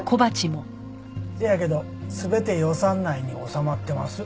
せやけど全て予算内に収まってます。